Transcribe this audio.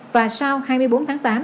và sau hai mươi bốn tháng tám